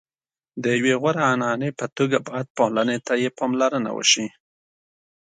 د یوې غوره عنعنې په توګه باید پالنې ته یې پاملرنه وشي.